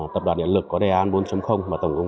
tập đoàn điện lực có đề an bốn và tổng hợp